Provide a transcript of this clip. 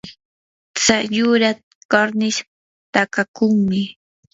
tsay yuraq karnish takakunmi.